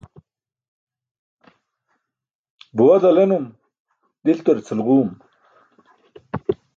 Buwa dalenum, diltar cilġuum.